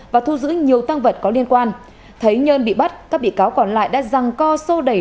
và thu giữ nhiều tăng vật có liên quan thấy nhân bị bắt các bị cáo còn lại đã răng co sô đẩy